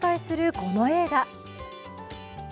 この映画。